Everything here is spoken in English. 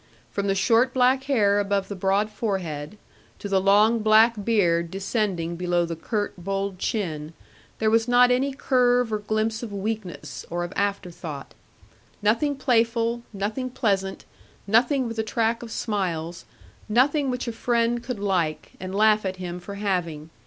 From the short black hair above the broad forehead, to the long black beard descending below the curt, bold chin, there was not any curve or glimpse of weakness or of afterthought. Nothing playful, nothing pleasant, nothing with a track of smiles; nothing which a friend could like, and laugh at him for having.